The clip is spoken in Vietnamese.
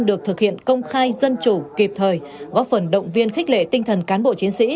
được thực hiện công khai dân chủ kịp thời góp phần động viên khích lệ tinh thần cán bộ chiến sĩ